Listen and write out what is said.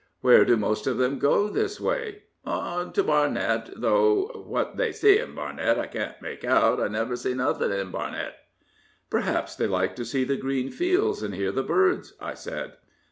" Where do most of them go this way ?"" Oh, to Barnet. Though what they see in Barnet I can't make out, I never see nothin' in Barnet." " Perhaps they like to see the green fields and hear the birds," I said.